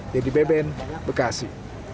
dedy beben bekasi